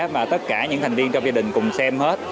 mà tất cả những thành viên trong gia đình cùng xem hết